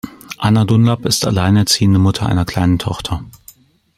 Anna Dunlap ist alleinerziehende Mutter einer kleinen Tochter.